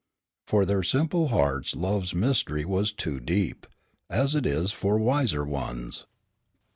For their simple hearts love's mystery was too deep, as it is for wiser ones.